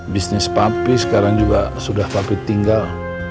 bisnis papi sekarang juga sudah papi tinggal